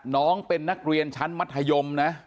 น้องเป็นนักเรียนชั้นมัธยมนะ